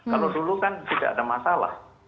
kalau dulu kan tidak ada masalah